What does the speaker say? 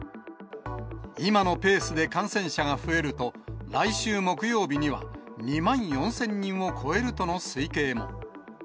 今のペースで感染者が増えると、来週木曜日には２万４０００人を超えるとの推計も。